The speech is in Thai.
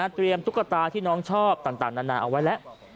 ตุ๊กตาที่น้องชอบต่างนานาเอาไว้แล้ว